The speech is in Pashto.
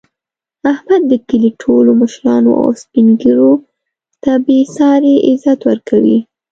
احمد د کلي ټولو مشرانو او سپین ږېرو ته بې ساري عزت ورکوي.